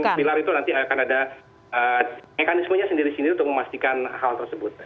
dan pilar itu nanti akan ada mekanismenya sendiri sendiri untuk memastikan hal tersebut